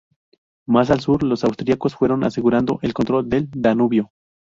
Más al sur los austriacos fueron asegurando el control del Danubio.